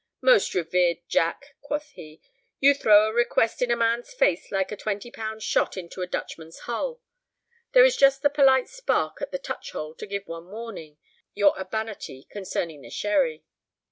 "Most revered Jack," quoth he, "you throw a request in a man's face like a twenty pound shot into a Dutchman's hull. There is just the polite spark at the touch hole to give one warning, your urbanity concerning the sherry.